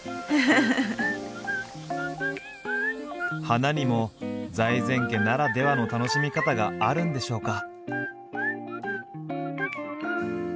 花にも財前家ならではの楽しみ方があるんでしょうか？